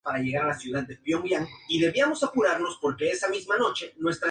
Se encuentra en Botsuana, Malaui, Mozambique, Sudáfrica, Zambia y Zimbabue.